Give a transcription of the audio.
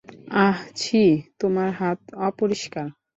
আহ ছি, তোমার হাত অপরিষ্কার।